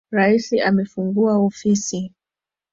Rais amefungua ofisi